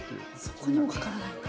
そこにもかからないんだ。